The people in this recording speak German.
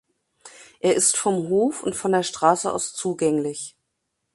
Er ist vom Hof und von der Straße aus zugänglich.